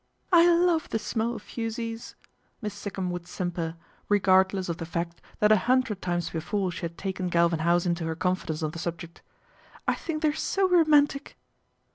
' I love the smell of fusees/' Miss Sikkum would simper, regardless of the fact that a hundred times before she had taken Galvin House into her con fidence on the subject. " I think they're so romantic."